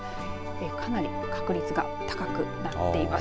かなり確率が高くなっています。